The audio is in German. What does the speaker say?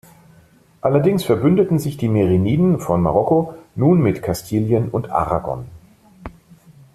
Allerdings verbündeten sich die Meriniden von Marokko nun mit Kastilien und Aragon.